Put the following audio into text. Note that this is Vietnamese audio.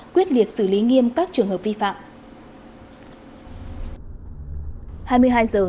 quyết liệt xử lý nghiêm các trường hợp vi phạm